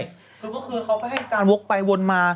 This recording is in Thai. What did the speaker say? คือก็คือเขาก็ให้การวกไปวนมา